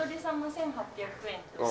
１，８００円。